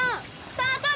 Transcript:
スタート！